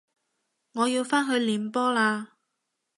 我要返去練波喇